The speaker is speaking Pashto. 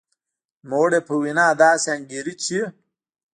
نوموړې په وینا داسې انګېري چې په